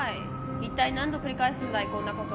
一体何度繰り返すんだい、こんなこと。